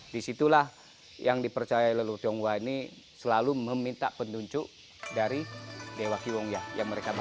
di situlah yang dipercaya leluhur tionghoa ini selalu meminta penunjuk dari dewa kihongya yang mereka bawa